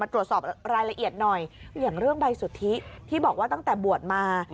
ตรวจสอบรายละเอียดหน่อยอย่างเรื่องใบสุทธิที่บอกว่าตั้งแต่บวชมา